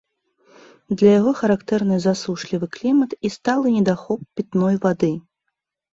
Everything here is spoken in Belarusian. Для яго характэрны засушлівы клімат і сталы недахоп пітной вады.